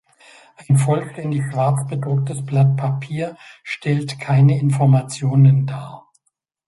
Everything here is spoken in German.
Ein vollständig schwarz bedrucktes Blatt Papier stellt keine Informationen dar.